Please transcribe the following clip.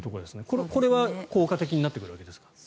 これは効果的になってくるわけですか。